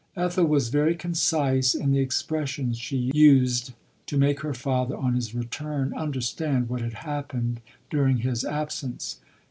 Ethel was very concise in the expressions she used, to make her father, on Ins return, un derstand what had happened during his ab sence.